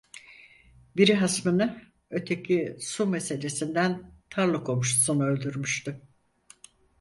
Biri hasmını, öteki su meselesinden tarla komşusunu öldürmüştü.